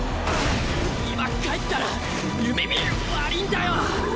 今帰ったら夢見が悪ぃんだよ。